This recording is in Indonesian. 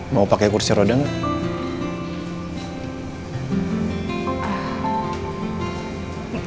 mau pakai kursi roda nggak